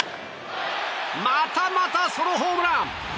またまたソロホームラン！